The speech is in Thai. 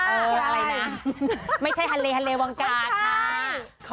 เออไม่ใช่ฮันเล่ฮันเล่วงการค่ะ